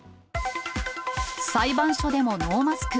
裁判所でもノーマスク。